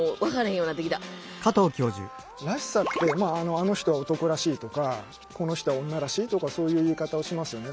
「あの人は男らしい」とか「この人は女らしい」とかそういう言い方をしますよね。